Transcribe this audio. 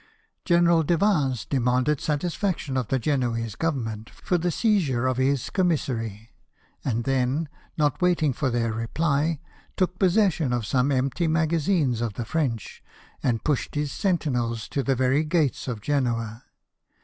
General de Vins demanded satisfaction of the Genoese Government for the seizure of his com missary ; and then, not waiting for their reply, took possession of some empty magazines of the French, and pushed his sentinels to the very gates of Genoa.